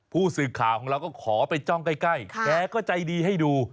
ผู้สื่อข่าวของเราก็ขอไปจ้องใกล้แกก็ใจดีให้ดู